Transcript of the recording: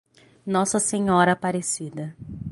Nossa Senhora Aparecida